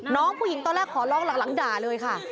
น้องผู้หญิงตอนแรกขอร้องหลังด่าเลยค่ะ